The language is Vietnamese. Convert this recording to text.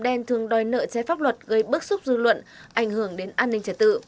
đen thường đòi nợ chế pháp luật gây bức xúc dư luận ảnh hưởng đến an ninh trật tự